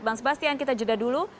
bang sebastian kita jeda dulu